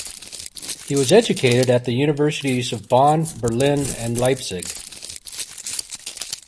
He was educated at the universities of Bonn, Berlin, and Leipzig.